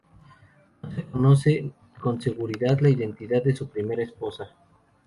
No se conoce con seguridad la identidad de su primera esposa.